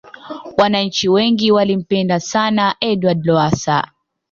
wananchi wengi walimpenda sana edward lowasa